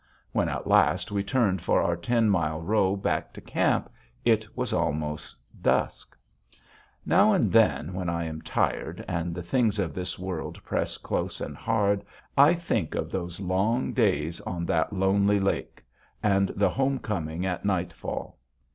When at last we turned for our ten mile row back to camp, it was almost dusk. Now and then, when I am tired and the things of this world press close and hard, I think of those long days on that lonely lake, and the home coming at nightfall.